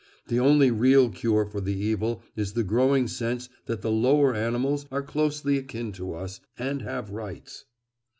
The only real cure for the evil is the growing sense that the lower animals are closely akin to us, and have rights.